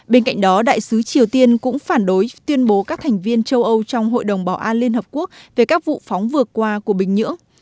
bên cạnh đó đại sứ triều tiên cũng phản đối tuyên bố các thành viên châu âu trong hội đồng bảo an liên hợp quốc về các vụ phóng vừa qua của bình nhưỡng